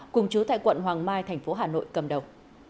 cùng chú tại quận hoàng mai thành phố hà nội cầm đầu